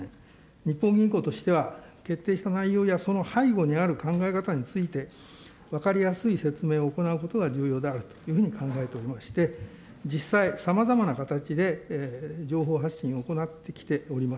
日本銀行としては、決定した内容やその背後にある考え方について、分かりやすい説明を行うことが重要であるというふうに考えておりまして、実際、さまざまな形で情報発信を行ってきております。